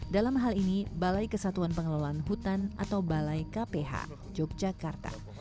dalam hal ini balai kesatuan pengelolaan hutan atau balai kph yogyakarta